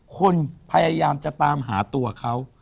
คนพยายามจะตามหาตัวเขา